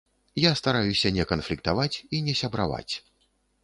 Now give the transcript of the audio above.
Я стараюся не канфліктаваць і не сябраваць.